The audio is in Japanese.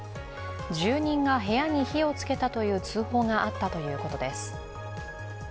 住人が部屋に火をつけたという通報があったということです。